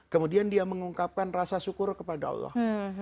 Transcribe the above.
kemudian dia mengungkapkan rasa syukur kepada allah